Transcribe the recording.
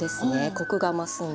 コクが増すので。